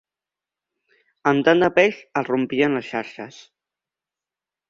Amb tant de peix es rompien les xarxes.